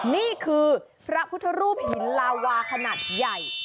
นี่คือพระพุทธรูปหินลาวาขนาดใหญ่